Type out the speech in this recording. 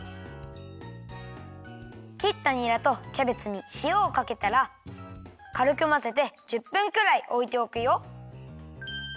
きったにらとキャベツにしおをかけたらかるくまぜて１０分くらいおいておくよ。